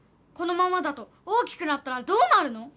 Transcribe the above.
このままだと大きくなったらどうなるの？